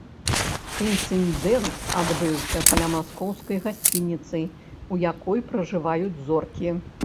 Інцыдэнт адбыўся каля маскоўскай гасцініцы, у якой пражываюць зоркі.